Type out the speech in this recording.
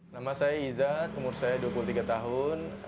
nama saya izat umur saya dua puluh tiga tahun